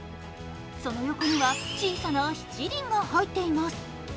その横には小さな七輪が入っています。